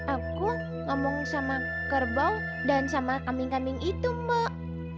aku ngomong sama kerbau dan sama kambing kambing itu mbak